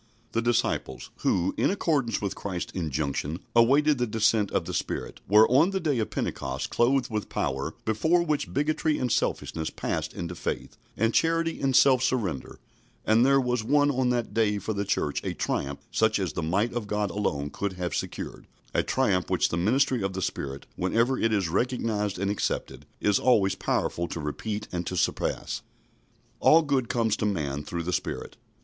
The disciples, who, in accordance with Christ's injunction, awaited the descent of the Spirit, were on the day of Pentecost clothed with power before which bigotry and selfishness passed into faith and charity and self surrender; and there was won on that day for the Church a triumph such as the might of God alone could have secured a triumph which the ministry of the Spirit, whenever it is recognised and accepted, is always powerful to repeat and to surpass. All good comes to man through the Spirit.